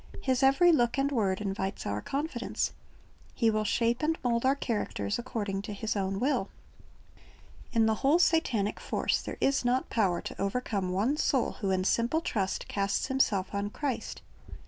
His every look and word invites our confidence. He will shape and mold our characters according to His own will. In the whole Satanic force there is not power to overcome one soul who in simple trust casts himself on Christ.